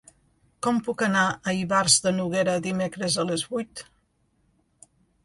Com puc anar a Ivars de Noguera dimecres a les vuit?